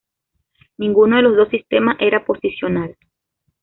Ninguno de los dos sistemas era posicional.